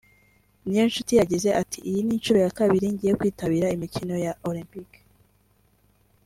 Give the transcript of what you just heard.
Niyonshuti yagize ati “iyi ni inshuro ya kabiri ngiye kwitabira imikino ya Olempike